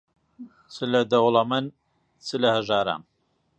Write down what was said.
چ لە دەوڵەمەن، چ لە هەژاران